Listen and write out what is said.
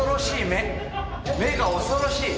目が恐ろしい。